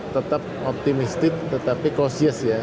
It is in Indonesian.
tetap optimistik tetapi cautious ya